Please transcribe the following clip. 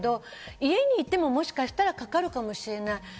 家にいてももしかしたらかかるかもしれない。